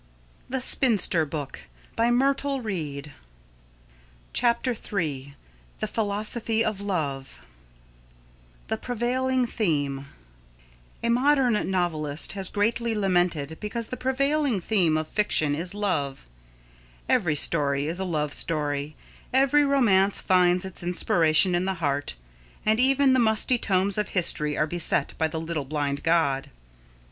The Philosophy of Love The Philosophy of Love [Sidenote: The Prevailing Theme] A modern novelist has greatly lamented because the prevailing theme of fiction is love. Every story is a love story, every romance finds its inspiration in the heart, and even the musty tomes of history are beset by the little blind god.